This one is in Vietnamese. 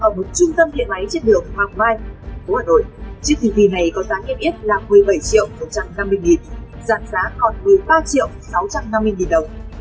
ở một trung tâm điện máy trên đường hoàng mai thành phố hà nội chiếc tv này có giá niêm yết là một mươi bảy triệu một trăm năm mươi nghìn giảm giá còn một mươi ba triệu sáu trăm năm mươi đồng